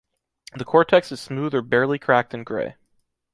The cortex is smooth or barely cracked and grey